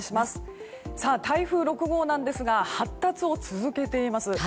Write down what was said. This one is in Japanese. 台風６号ですが発達を続けています。